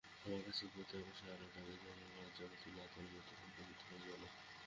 আমার কাছে এক মুহূর্তে আকাশের আলোটা যেন লজ্জাবতী লতার মতো সংকুচিত হয়ে গেল।